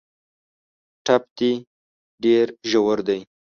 ټپ دي ډېر ژور دی .